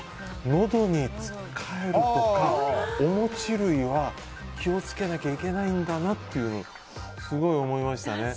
のどにつっかえるとかお餅類は気をつけなきゃいけないんだなとすごく思いましたね。